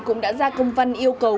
cũng đã ra công văn yêu cầu